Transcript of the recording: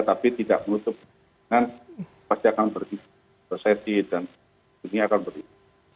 tapi tidak menutup dengan pasti akan berhenti resesi dan dunia akan berhenti